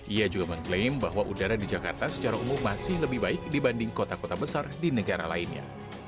ia juga mengklaim bahwa udara di jakarta secara umum masih lebih baik dibanding kota kota besar di negara lainnya